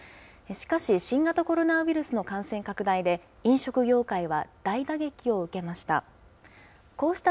しかし、新型コロナウイルスの感染拡大で、飲食業界は大打撃を受けました。